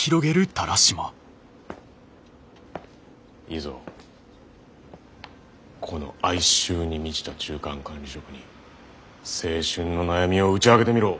いいぞこの哀愁に満ちた中間管理職に青春の悩みを打ち明けてみろ。